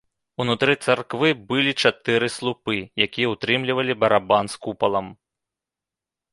Унутры царквы былі чатыры слупы, якія ўтрымлівалі барабан з купалам.